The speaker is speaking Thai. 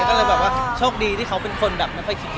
ก็เลยแบบว่าโชคดีที่เขาเป็นคนแบบไม่ค่อยคิด